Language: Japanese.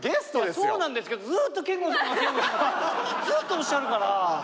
そうなんですけどずっと「憲剛さんが」。ずっとおっしゃるから。